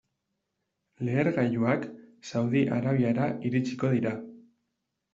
Lehergailuak Saudi Arabiara iritsiko dira.